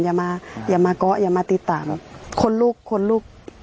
อย่างมาเกาะอย่างมาตีตาคนลูก